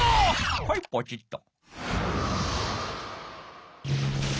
はいポチッと。